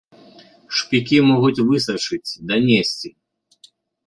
Шпікі могуць высачыць, данесці.